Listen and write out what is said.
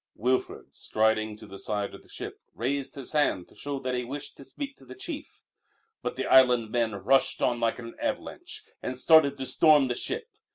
Wilfrid, striding to the side of the ship, raised his hand to show that he wished to speak to the chief. But the island men rushed on like an avalanche and started to storm the ship.